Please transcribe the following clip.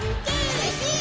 うれしいっ！